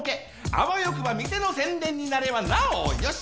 あわよくば店の宣伝になればなおよし。